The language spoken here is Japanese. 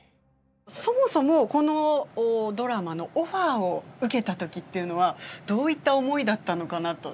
そもそもこのドラマのオファーを受けた時っていうのはどういった思いだったのかなと。